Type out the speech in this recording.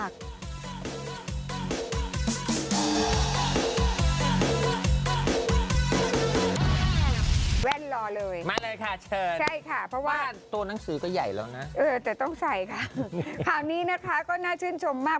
ข่าวนี้นะคะน่าชื่นชมมาก